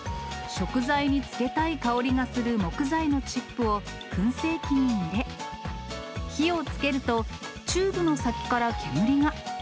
食材につけたい香りがする木材のチップをくん製器に入れ、火をつけると、チューブの先から煙が。